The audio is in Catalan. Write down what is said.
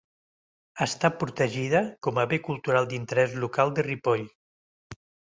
Està protegida com a bé cultural d'interès local de Ripoll.